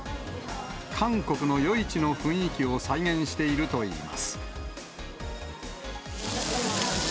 韓国の夜市の雰囲気を再現しているといいます。